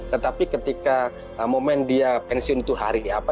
tetapi ketika momen dia pensiun itu hari apa